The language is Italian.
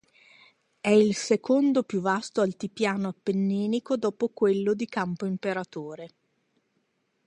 È il secondo più vasto altipiano appenninico dopo quello di Campo Imperatore.